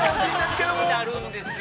気になるんですよ。